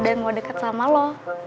dan mau deket sama lo